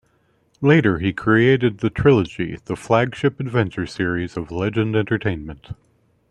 Later, he created the trilogy, the flagship adventure series of Legend Entertainment.